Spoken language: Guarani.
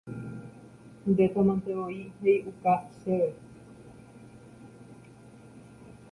ndetamantevoi he'iuka chéve